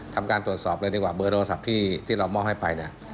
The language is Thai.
ทำการตรวจสอบเลยดีกว่าเบอร์โทรศัพท์ที่เรามอบให้ไปเนี่ย